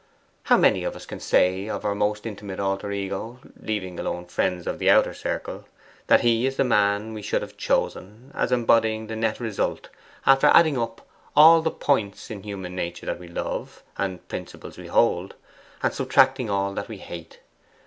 How many of us can say of our most intimate alter ego, leaving alone friends of the outer circle, that he is the man we should have chosen, as embodying the net result after adding up all the points in human nature that we love, and principles we hold, and subtracting all that we hate?